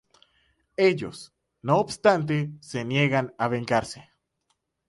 Ellos, no obstante, se niegan a vengarse.